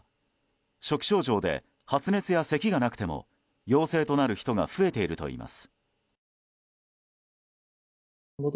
初期症状で発熱やせきがなくても陽性となる人が増えているといいます。